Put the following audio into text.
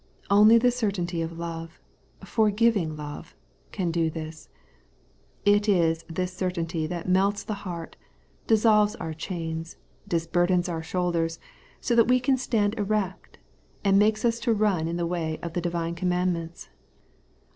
Only the certainty of love, forgiving love, can do this. It is this certainty that melts the heart, dissolves our chains, disburdens our shoulders, so that we stand erect, and makes us to run in the way of the divine commandments.